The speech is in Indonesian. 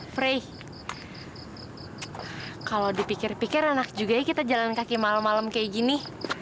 frey kalau dipikir pikir enak juga ya kita jalan kaki malam malam kayak gini